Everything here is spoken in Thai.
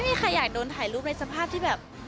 ใครอยากโดนถ่ายรูปในสภาพที่แบบ